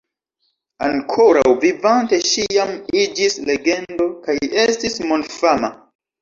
Ankoraŭ vivante ŝi jam iĝis legendo kaj estis mondfama.